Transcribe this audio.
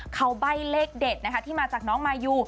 เขาใบ้เลขเด็ดนะคะที่มาจากน้องมายู